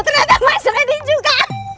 ternyata mas randy juga